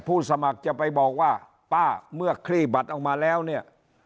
สมัครจะไปบอกว่าป้าเมื่อคลี่บัตรออกมาแล้วเนี่ย